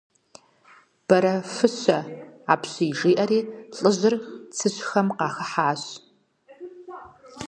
Бэрэфыщэ апщий! – жиӀэри лӀыжьыр цыщхэм къахыхьащ.